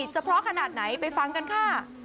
จะเพราะขนาดไหนไปฟังกันค่ะ